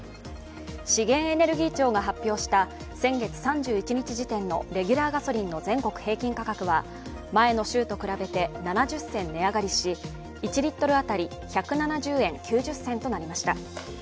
資源エネルギー庁が発表した先月３１日時点のレギュラーガソリンの全国平均価格は前の週と比べて７０銭値上がりし、１リットル当たり１７０円９０銭となりました。